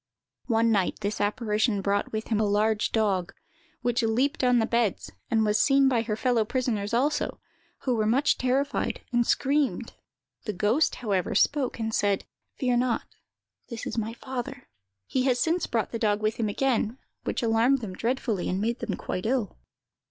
"One night this apparition brought with him a large dog, which leaped on the beds, and was seen by her fellow prisoners also, who were much terrified, and screamed. The ghost, however, spoke, and said, 'Fear not; this is my father.' He had since brought the dog with him again, which alarmed them dreadfully, and made them quite ill.